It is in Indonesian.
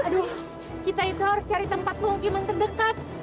aduh kita itu harus cari tempat pemukiman terdekat